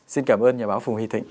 xin cảm ơn nhà báo phùng huy thịnh